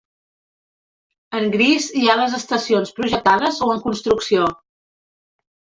En gris hi ha les estacions projectades o en construcció.